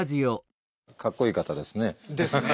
かっこいい方ですね。ですね！